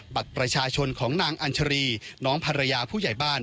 บัตรประชาชนของนางอัญชรีน้องภรรยาผู้ใหญ่บ้าน